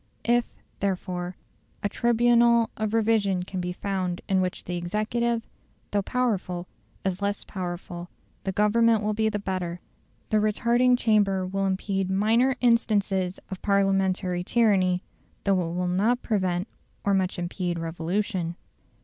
If, therefore, a tribunal of revision can be found in which the executive, though powerful, is less powerful, the Government will be the better; the retarding chamber will impede minor instances of Parliamentary tyranny, though it will not prevent or much impede revolution.